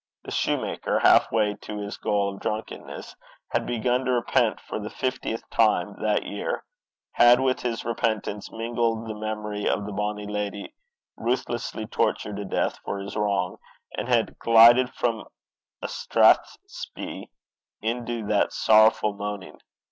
The soutar half way to his goal of drunkenness, had begun to repent for the fiftieth time that year, had with his repentance mingled the memory of the bonny leddy ruthlessly tortured to death for his wrong, and had glided from a strathspey into that sorrowful moaning.